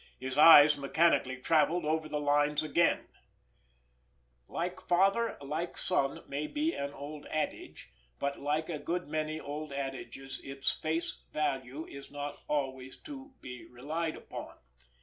His eyes mechanically travelled over the lines again: Like father like son may be an old adage, but like a good many old adages its face value is not always to be relied upon.